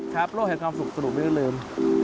โลกแห่งความสุขสนุกไม่ได้ลืม